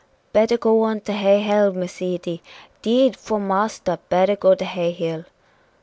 "Better go on to Hay Hill, Miss Edy! 'Deed, 'fore marster, better go to Hay Hill."